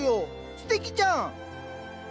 すてきじゃん。